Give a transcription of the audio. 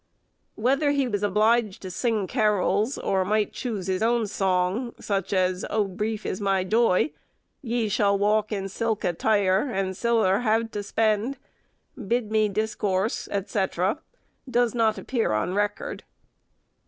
Whether he was obliged to sing carols, or might choose his own song, such as, "Oh! brief is my joy," "Ye shall walk in silk attire, and siller ha' to spend," "Bid me discourse," &c., does not appear on record.